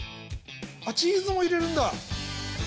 あっチーズもいれるんだ！